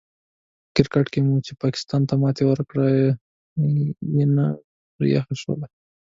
په کرکیټ کې مو چې پاکستان ته ماتې ورکړله، ینه مې پرې یخه شوله.